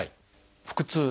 腹痛